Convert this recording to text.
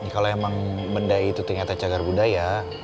kalau emang benda itu ternyata cagar budaya